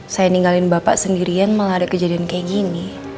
saya ninggalin bapak sendirian malah ada kejadian kayak gini